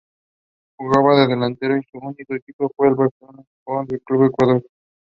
There is no evidence that this route operated.